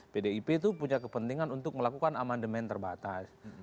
pdip itu punya kepentingan untuk melakukan amandemen terbatas